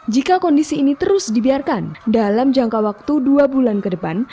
jika kondisi ini terus dibiarkan dalam jangka waktu dua bulan ke depan